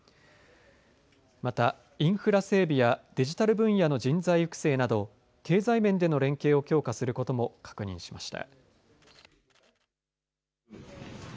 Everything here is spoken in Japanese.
また、インフラ整備やデジタル分野の人材育成など経済面での連携を強化することも確認しました。